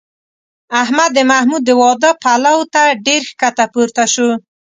احمد د محمود د واده پلو ته ډېر ښکته پورته شو.